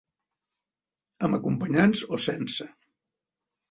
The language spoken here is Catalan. Amb acompanyament o sense.